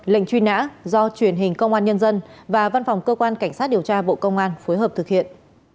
lệnh truy nã do truyền hình công an nhân dân và văn phòng cơ quan cảnh sát điều tra bộ công an phối hợp thực hiện